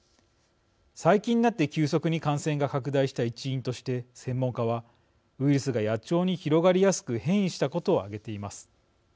最近になって急速に感染が拡大した一因として、専門家はウイルスが野鳥に広がりやすく変異したことを挙げています。